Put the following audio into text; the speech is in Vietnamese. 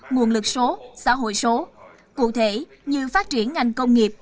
nguồn lực số xã hội số cụ thể như phát triển ngành công nghiệp